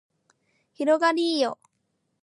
広がりーよ